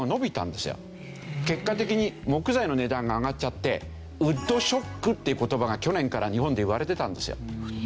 結果的に木材の値段が上がっちゃってウッドショックっていう言葉が去年から日本で言われてたんですよ。